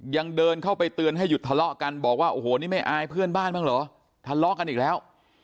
ยังเดินเข้าไปเตือนให้หยุดทะเลาะกันบอกว่าโอ้โหนี่ไม่อายเพื่อนบ้านบ้างเหรอทะเลาะกันอีกแล้ว